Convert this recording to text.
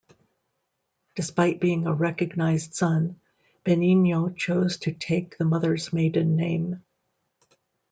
Despite being a recognized son, Benigno chose to take the mother's maiden name.